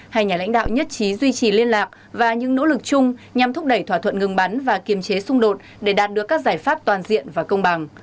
hai nhà lãnh đạo nhất trí duy trì liên lạc và những nỗ lực chung nhằm thúc đẩy thỏa thuận ngừng bắn và kiềm chế xung đột để đạt được các giải pháp toàn diện và công bằng